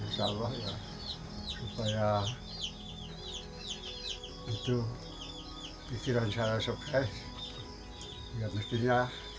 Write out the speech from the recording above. insya allah ya supaya itu pikiran saya sebagai yang mestinya